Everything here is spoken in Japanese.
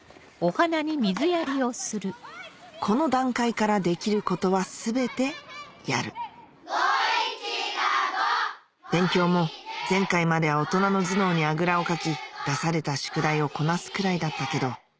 この段階からできることは全てやる５×１＝５勉強も前回までは大人の頭脳にあぐらをかき出された宿題をこなすくらいだったけど